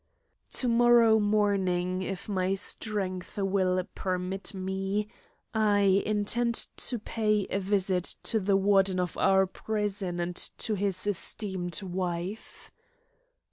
To morrow morning, if my strength will permit me, I intend to pay a visit to the Warden of our prison and to his esteemed wife.